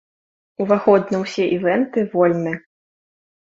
Уваход на ўсе івэнты вольны.